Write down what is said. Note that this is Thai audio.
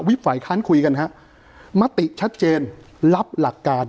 ฝ่ายค้านคุยกันฮะมติชัดเจนรับหลักการ